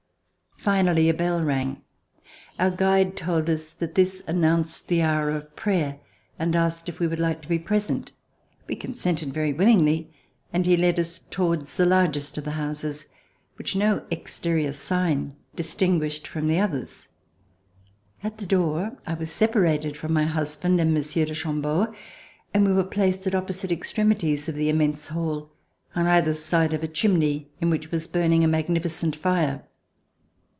Finally, a bell rang. Our guide told us that this announced the hour of prayer and asked if we would like to be present. We consented very willingly, and he led us towards the largest of the houses, which no exterior sign distinguished from the others. At the door I was separated from my husband and Monsieur de Chambeau, and we were placed at opposite extremities of the immense hall, on either side of a chimney in which was burning a magnificent fire.